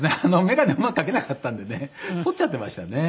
眼鏡うまく描けなかったんでね取っちゃってましたね。